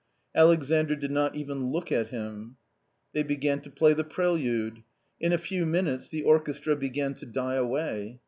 Alexandr did not even look at him. They began to play the. prelude. In a few minutes the orchestra began to die away.